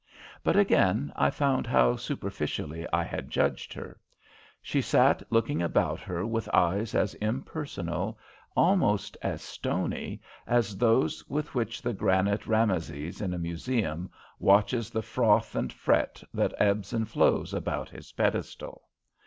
But, again, I found how superficially I had judged her. She sat looking about her with eyes as impersonal, almost as stony, as those with which the granite Rameses in a museum watches the froth and fret that ebbs and flows about his pedestal.